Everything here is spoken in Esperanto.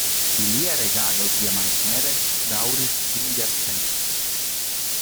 Ilia regado tiamaniere daŭris du jarcentojn.